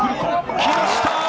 来ました！